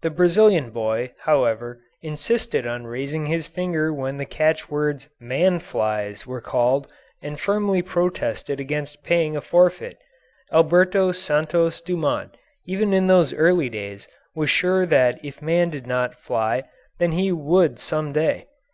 The Brazilian boy, however, insisted on raising his finger when the catchwords "man flies" were called, and firmly protested against paying a forfeit. Alberto Santos Dumont, even in those early days, was sure that if man did not fly then he would some day.